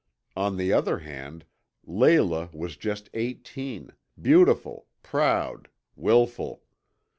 On the other hand, Leila was just eighteen, beautiful, proud, wilful.